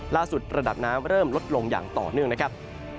ระดับน้ำเริ่มลดลงอย่างต่อเนื่องนะครับ